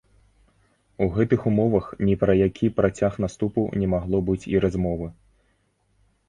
У гэтых умовах ні пра які працяг наступу не магло быць і размовы.